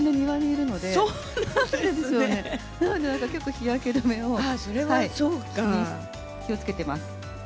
なので結構日焼け止めを気をつけてます。